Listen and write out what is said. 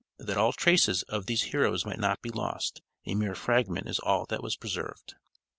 That all traces, of these heroes might not be lost, a mere fragment is all that was preserved.